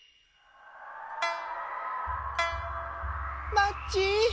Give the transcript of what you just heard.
マッチ。